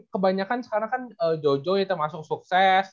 kebanyakan sekarang kan jojo itu masuk sukses